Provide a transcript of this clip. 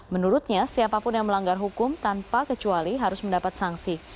menurutnya siapapun yang melanggar hukum tanpa kecuali harus mendapat sanksi